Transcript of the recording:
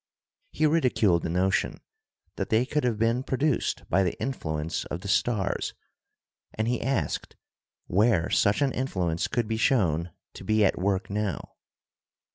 He ridiculed the notion that they could have been produced by the influence of the stars, and he asked where such an influence could be shown to be at work now.